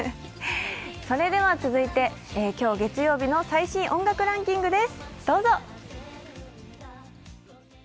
続いて、今日月曜日の最新音楽ランキングです。